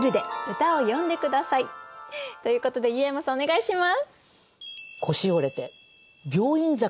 ということで湯山さんお願いします。